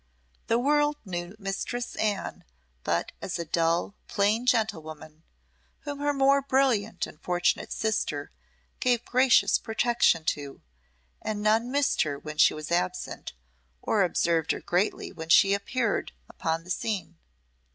The world knew Mistress Anne but as a dull, plain gentlewoman, whom her more brilliant and fortunate sister gave gracious protection to, and none missed her when she was absent, or observed her greatly when she appeared upon the scene.